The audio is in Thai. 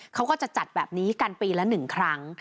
เขาก็จะจัดแบบนี้กันปีละ๑ครั้ง